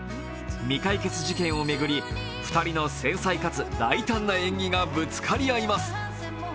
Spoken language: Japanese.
未解決事件を巡り２人の繊細かつ大胆な演技がぶつかり合います。